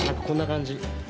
こんな感じ。